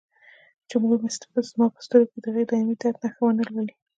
چې مور مې زما په سترګو کې د هغه دایمي درد نښې ونه لولي.